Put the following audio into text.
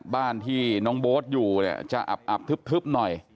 บ้านที่น้องโบ๊ทอยู่เนี่ยจะอับทึบหน่อย